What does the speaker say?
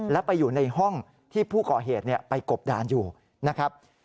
และไปอยู่ในห้องที่ผู้ก่อเหตุไปกบดานอยู่นะครับ